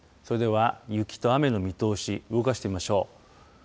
それでは雪と雨の見通し、動かしてみましょう。